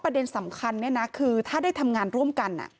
ประเด็นสำคัญนี่คือถ้าได้ทำงานร่วมกัน